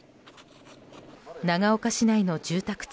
長岡市内の住宅地。